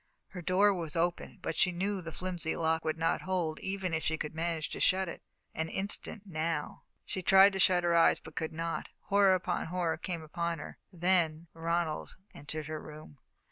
Her door was open, but she knew the flimsy lock would not hold, even if she could manage to shut it. An instant now she tried to shut her eyes, but could not horror upon horror came upon her then Ronald entered her room.